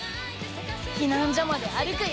避難所まで歩くよ。